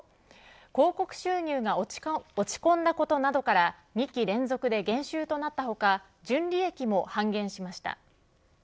広告収入が落ち込んだことなどから２期連続で減収となった他純利益も半減しました。